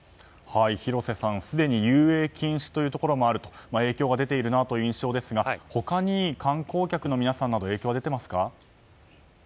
広瀬さん、すでに遊泳禁止というところもあると影響が出ているなという印象ですが他に観光客の皆さんなど影響は出ていますか？